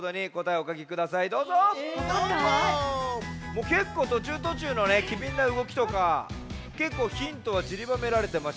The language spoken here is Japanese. もうけっこうとちゅうとちゅうのきびんなうごきとかけっこうヒントはちりばめられてましたから。